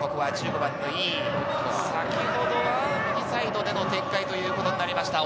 １５番の井伊、先ほどは右サイドでの展開ということになりました。